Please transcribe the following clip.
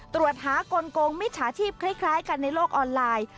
ตรวจหากลงมิจฉาชีพคล้ายกันในโลกออนไลน์